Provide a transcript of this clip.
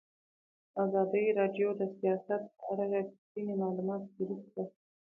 ازادي راډیو د سیاست په اړه رښتیني معلومات شریک کړي.